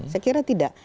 saya kira tidak